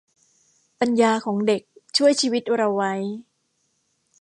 ปัญญาของเด็กช่วยชีวิตเราไว้